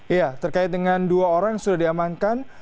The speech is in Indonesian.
iya terkait dengan dua orang yang sudah diamankan